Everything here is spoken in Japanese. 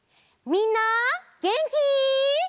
みんなげんき？